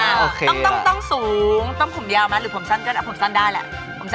ต้องโยงต้องผมยาวไหมหรือผมสั้นเกินไหม